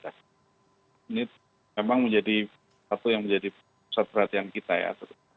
ini memang menjadi satu yang menjadi pusat perhatian kita ya